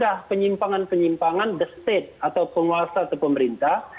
jadi ini adalah penyimpangan penyimpangan the state atau penguasa atau pemerintah